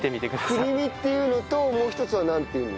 国見っていうのともう一つはなんていう？